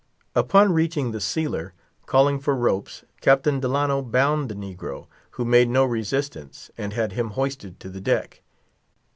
Upon reaching the sealer, calling for ropes, Captain Delano bound the negro, who made no resistance, and had him hoisted to the deck.